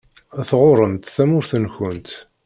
Tɣuṛṛemt tamurt-nkent.